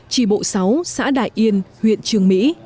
trì bộ sáu xã đại yên huyện trường mỹ